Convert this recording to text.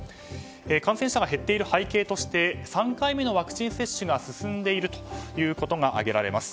感染者が減っている背景として３回目のワクチン接種が進んでいるということが上げられます。